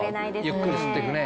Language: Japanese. ゆっくり吸ってくね。